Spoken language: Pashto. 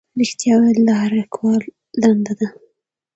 رښتیا ویل د هر لیکوال دنده ده.